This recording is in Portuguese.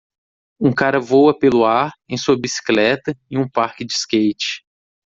Um cara voa pelo ar em sua bicicleta em um parque de skate.